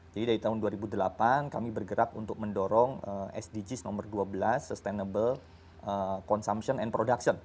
jadi dari tahun dua ribu delapan kami bergerak untuk mendorong sdgs nomor dua belas sustainable consumption and production